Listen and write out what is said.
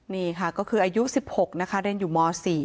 นี่ค่ะก็คืออายุ๑๖นะคะเรียนอยู่ม๔